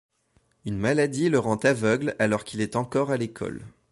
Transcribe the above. Une maladie le rend aveugle alors qu'il est encore à l'école.